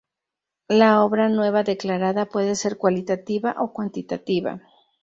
La obra nueva declarada puede ser cualitativa o cuantitativa.